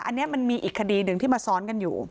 อันนี้มันมีอีกคดีหนึ่งที่มาซ้อนกันอยู่